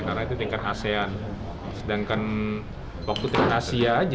karena itu tingkat asean sedangkan waktu tingkat asia aja